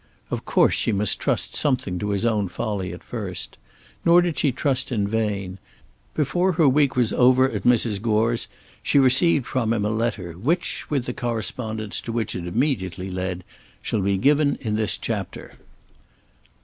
Of course she must trust something to his own folly at first. Nor did she trust in vain. Before her week was over at Mrs. Gore's she received from him a letter, which, with the correspondence to which it immediately led, shall be given in this chapter.